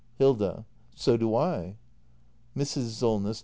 Hilda. So do I. Mrs. Solness.